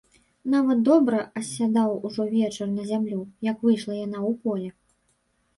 Нават добра асядаў ужо вечар на зямлю, як выйшла яна ў поле.